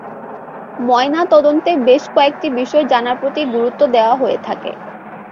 ময়না তদন্তে বেশ কয়েকটি বিষয় জানার প্রতি গুরুত্ব দেয়া হয়ে থাকে।